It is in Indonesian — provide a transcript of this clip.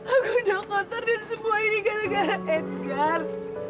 aku udah kotor dan semua ini gara gara edgar